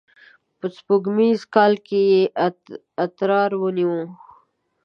په سپوږمیز کال کې یې اترار ونیو.